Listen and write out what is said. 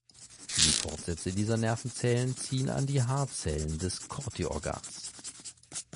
Die Fortsätze dieser Nervenzellen ziehen an die Haarzellen des Corti-Organs.